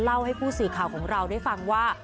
เล่าให้ผู้สื่อข่าวของเราได้ฟังว่า